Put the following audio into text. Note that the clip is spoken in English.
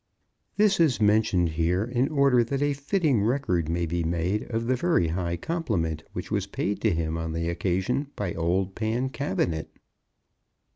This is mentioned here, in order that a fitting record may be made of the very high compliment which was paid to him on the occasion by old Pancabinet.